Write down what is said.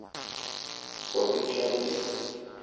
Jorge Chávez Nr.